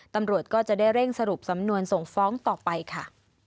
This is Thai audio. ตำรวจก็จะได้เร่งสรุปสำนวนส่งฟ้องต่อไปค่ะ